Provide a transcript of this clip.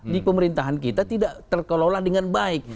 di pemerintahan kita tidak terkelola dengan baik